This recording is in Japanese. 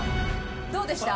どうでした？